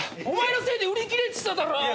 お前のせいで売り切れてただろ。